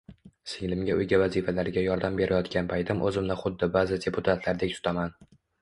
Singlimga uyga vazifalariga yordam berayotgan paytim o'zimni xuddi ba'zi deputatlardek tutaman